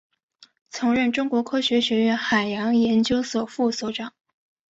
曾任中国科学院海洋研究所副所长。